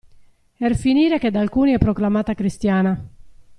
Er finire che da alcuni è proclamata cristiana.